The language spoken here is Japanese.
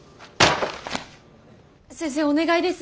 先生お願いです。